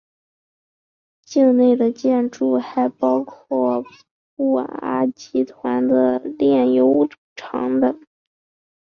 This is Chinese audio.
境内的建筑还包括布阿集团的炼油厂等。